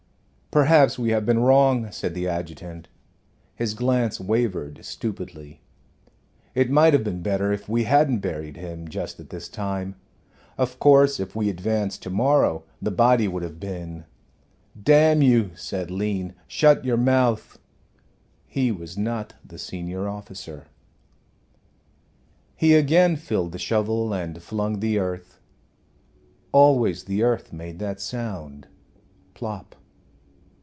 "Perhaps we have been wrong," said the adjutant. His glance wavered stupidly. "It might have been better if we hadn't buried him just at this time. Of course, if we advance to morrow the body would have been " "Damn you," said Lean, "shut your mouth!" He was not the senior officer. He again filled the shovel and flung the earth. Always the earth made that sound plop!